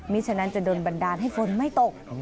ฉะนั้นจะโดนบันดาลให้ฝนไม่ตก